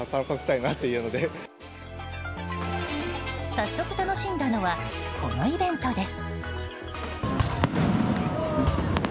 早速楽しんだのはこのイベントです。